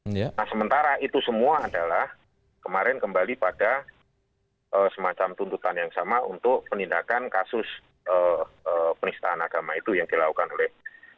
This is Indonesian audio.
nah sementara itu semua adalah kemarin kembali pada semacam tuntutan yang sama untuk penindakan kasus penistaan agama itu yang dilakukan oleh